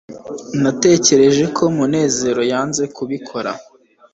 natekereje ko munezero yanze kubikora